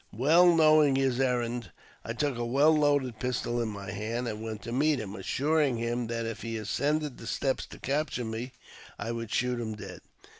Well knowing his errand, I took a well loaded pistol in my hand, and went to meet him, assuring him that if he ascended the steps to capture me I would shoot him dead.